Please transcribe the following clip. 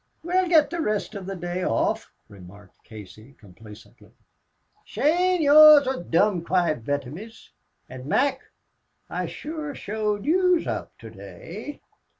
"We'll git the rest of the day off," remarked Casey, complacently. "Shane, yez are dom' quiet betoimes. An' Mac, I shure showed yez up to day."